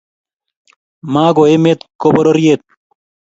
Ma ko emet, ko pororiet